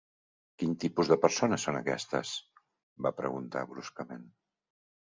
"Quin tipus de persones són aquestes?" va preguntar bruscament.